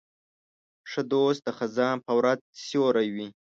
ښه دوست د خزان په ورځ سیوری وي.